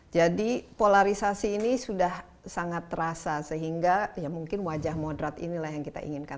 jadi polarisasi ini sudah sangat terasa sehingga ya mungkin wajah moderat inilah yang kita inginkan